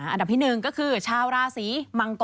อันดับที่๑ก็คือชาวราศีมังกร